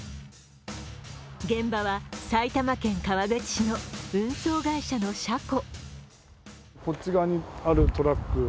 現場は埼玉県川口市の運送会社の車庫。